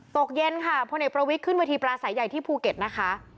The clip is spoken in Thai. ตกเย็นค่ะพลเอกประวิทย์ขึ้นเวทีปลาสายใหญ่ที่ภูเก็ตนะคะ